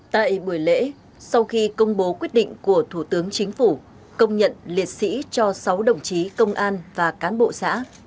tại buổi lễ sau khi công bố quyết định của thủ tướng chính phủ công nhận liệt sĩ cho sáu đồng chí công an và cán bộ xã